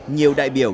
nhiều đại biểu